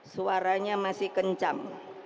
suaranya masih kencang